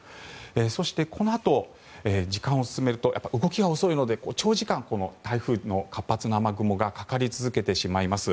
そして、このあと時間を進めると動きが遅いので長時間、台風の活発な雨雲がかかり続けてしまいます。